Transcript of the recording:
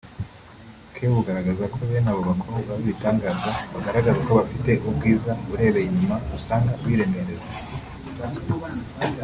ke bugaragaza ko bene abo bakobwa b’ibitangaza (Bagarara ko bafte ubwiza urebeye inyuma) usanga biremereza